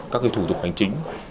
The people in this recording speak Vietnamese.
các cái thủ tục hành chính